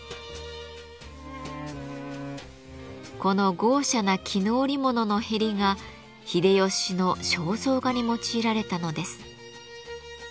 この豪奢な絹織物のへりが秀吉の肖像画に用いられたのです。